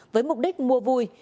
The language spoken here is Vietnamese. với mục đích mua vui